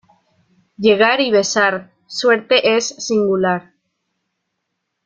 Llegar y besar, suerte es singular.